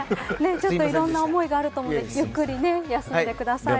ちょっといろんな思いがあると思うんでゆっくり休んでください。